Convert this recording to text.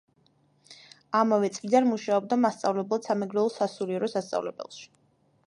ამავე წლიდან მუშაობდა მასწავლებლად სამეგრელოს სასულიერო სასწავლებელში.